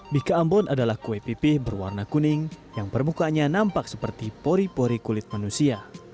bika ambon adalah kue pipih berwarna kuning yang permukanya nampak seperti pori pori kulit manusia